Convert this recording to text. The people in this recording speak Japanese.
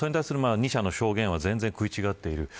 二者の証言は全然食い違っている。